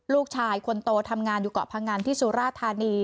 ลูกชายคนโตทำงานอยู่เกาะพังอันที่สุราธานี